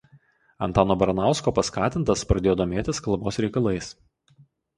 Antano Baranausko paskatintas pradėjo domėtis kalbos reikalais.